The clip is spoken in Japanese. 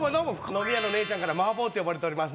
飲み屋のねえちゃんからマー坊と呼ばれております